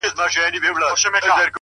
د ښكلا ميري د ښكلا پر كلي شــپه تېروم _